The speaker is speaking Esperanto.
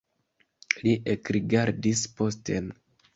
Li ekrigardis posten.